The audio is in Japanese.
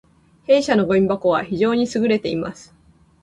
弊社のごみ箱は非常に優れています